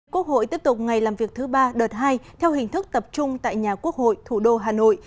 quốc hội tiếp tục ngày làm việc thứ ba đợt hai theo hình thức tập trung tại nhà quốc hội thủ đô hà nội